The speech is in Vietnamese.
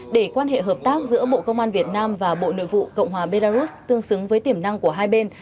để quan hệ hợp tác giữa bộ công an việt nam và bộ nội vụ cộng hòa belarus tương xứng với tiềm năng của hai bên